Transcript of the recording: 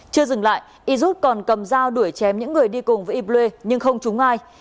chưa dừng lại yrút còn cầm dao đuổi chém những người đi cùng với yblê nhưng không trúng ai